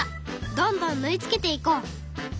どんどん縫い付けていこう。